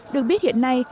được biết hiện nay